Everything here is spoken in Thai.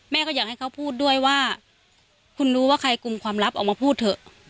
ก็อยากให้เขาพูดด้วยว่าคุณรู้ว่าใครกลุ่มความลับออกมาพูดเถอะ